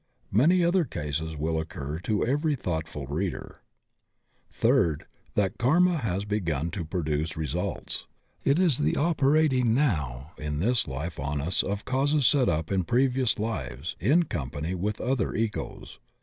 Many other cases will occur to every thoughtful reader. Third — ^that karma which has begun to produce re sults. It is the operating now in this life on us of causes set up in previous Uves in company with other Egos.